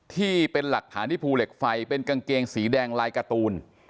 ที่เป็นหลักฐานที่ภูเหล็กไฟเป็นกางเกงสีแดงลายการ์ตูน